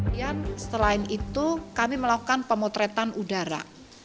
kemudian selain itu kami melakukan pemotretan udara